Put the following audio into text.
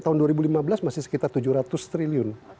tahun dua ribu lima belas masih sekitar tujuh ratus triliun